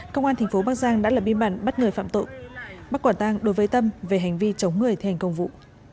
công an tp bắc giang đã lập biên bản bắt người phạm tội bắt quản tăng đối với tâm về hành vi chống người thi hành công vụ